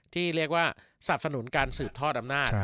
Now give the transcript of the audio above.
ที่เรียกว่าสนับสนุนการสืบทอดอำนาจ